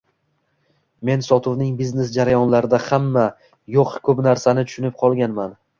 men sotuvning biznes jarayonlarida hamma, yoʻq, koʻp narsani tushunib qolganman.